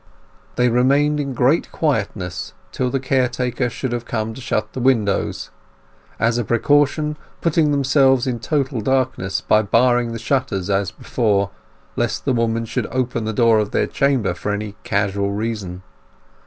They remained in great quietness till the caretaker should have come to shut the windows: as a precaution, putting themselves in total darkness by barring the shutters as before, lest the woman should open the door of their chamber for any casual reason.